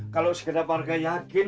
kalau sekedar warga yakin